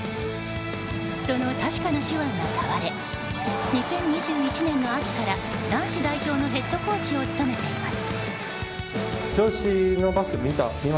その確かな手腕が買われ２０２１年の秋から男子代表のヘッドコーチを務めています。